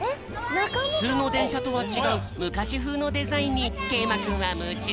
ふつうのでんしゃとはちがうむかしふうのデザインにけいまくんはむちゅう。